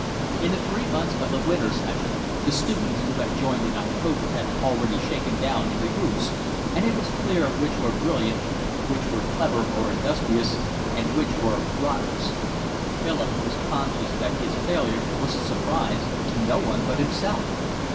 In the three months of the winter session the students who had joined in October had already shaken down into groups, and it was clear which were brilliant, which were clever or industrious, and which were 'rotters.' Philip was conscious that his failure was a surprise to no one but himself.